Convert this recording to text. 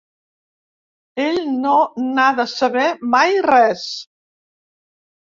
Ell no n'ha de saber mai res.